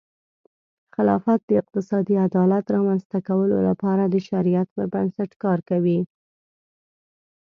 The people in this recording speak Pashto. خلافت د اقتصادي عدالت رامنځته کولو لپاره د شریعت پر بنسټ کار کوي.